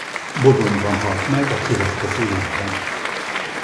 Bodonyban halt meg a következő évben.